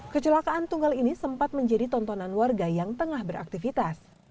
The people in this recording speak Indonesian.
kecelakaan tunggal ini sempat menjadi tontonan warga yang tengah beraktivitas